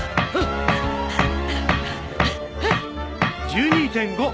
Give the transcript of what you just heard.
１２．５！